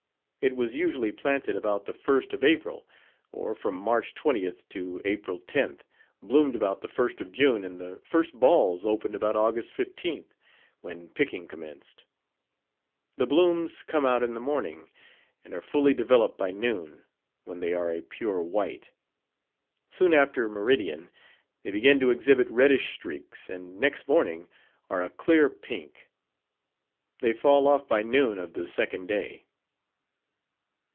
It was usually planted about the 1st of April, or from March 20th to April 10th, bloomed about the 1st of June and the first balls opened about August 15th, when picking commenced. The blooms come out in the morning and are fully developed by noon, when they are a pure white. Soon after meridian they begin to exhibit reddish streaks, and next morning are a clear pink. They fall off by noon of the second day.